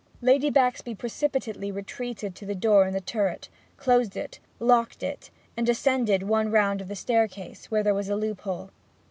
Lady Baxby precipitately retreated to the door in the turret, closed it, locked it, and ascended one round of the staircase, where there was a loophole.